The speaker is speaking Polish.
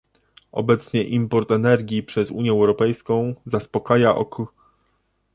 Obecnie import energii przez Unię Europejską zaspokaja ok